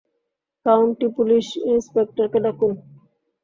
County police ইন্সপেক্টরকে ডাকুন!